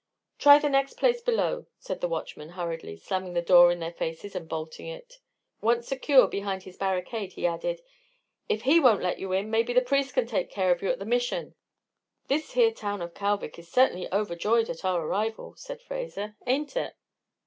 "Try the next place below," said the watchman, hurriedly, slamming the door in their faces and bolting it. Once secure behind his barricade, he added: "If he won't let you in, maybe the priest can take care of you at the Mission." "This here town of Kalvik is certainly overjoyed at our arrival," said Fraser, "ain't it?"